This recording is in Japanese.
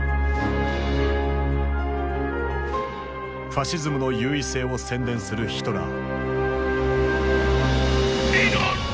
ファシズムの優位性を宣伝するヒトラー。